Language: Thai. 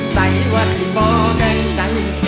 ใส่ว่าสิบ่อแรงใจ